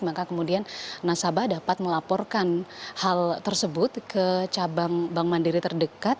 maka kemudian nasabah dapat melaporkan hal tersebut ke cabang bank mandiri terdekat